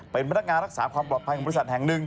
เป็นพนักงานรักษาความปลอดภัยของบริษัทแห่งหนึ่ง